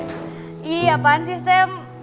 iya apaan sih sam